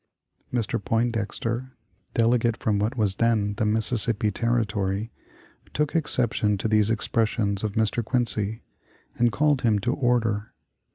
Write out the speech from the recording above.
Mr. Poindexter, delegate from what was then the Mississippi Territory, took exception to these expressions of Mr. Quincy, and called him to order.